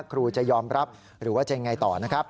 ครูจะยอมรับหรือว่าจะยังไงต่อนะครับ